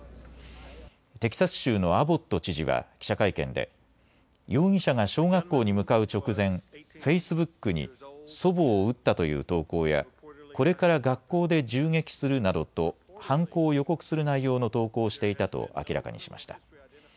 テキサス州のアボット知事は記者会見で容疑者が小学校に向かう直前、フェイスブックに祖母を撃ったという投稿やこれから学校で銃撃するなどと犯行を予告する内容の投稿をしていたと明らかにしました。